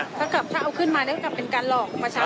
ถ้าเอาขึ้นมาแล้วก็เป็นการหลอก